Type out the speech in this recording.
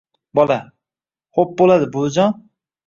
Bola: xop buladi buvijon...